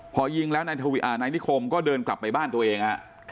พอยิงแล้วนายนิคมก็เดินกลับไปบ้านตัวเองฮะ